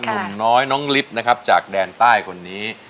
หนุ่มน้อยน้องลิฟต์นะครับจากแดนใต้คนนี้